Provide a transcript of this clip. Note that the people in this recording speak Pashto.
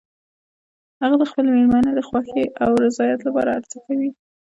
هغه د خپلې مېرمنې د خوښې او رضایت لپاره هر څه کوي